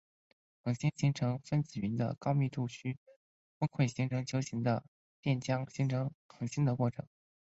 恒星形成是分子云的高密度区崩溃成为球形的电浆形成恒星的过程。